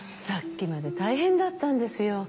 さっきまで大変だったんですよ。